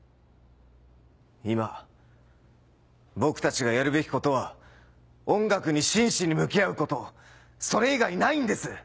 今僕たちがやるべきことは音楽に真摯に向き合うことそれ以外ないんです！